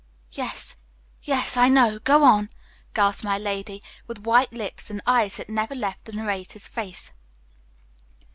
"Yes, yes, I know; go on!" gasped my lady, with white lips, and eyes that never left the narrator's face.